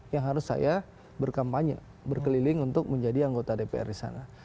yang harus saya berkampanye berkeliling untuk menjadi anggota dpr di sana